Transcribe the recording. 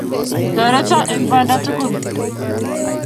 Toreta eng' banda tugul,